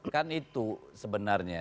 kan itu sebenarnya